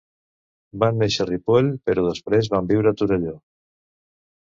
Van néixer a Ripoll, però després van viure a Torelló.